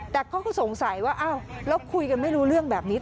แต่เขาก็สงสัยว่าอ้าวแล้วคุยกันไม่รู้เรื่องแบบนี้